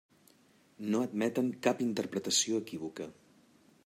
No admeten cap interpretació equívoca.